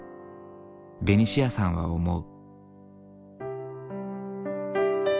ベニシアさんは思う。